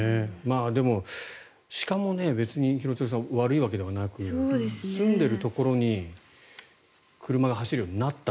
でも、鹿も別に悪いわけではなくすんでいるところに車が走るようになった。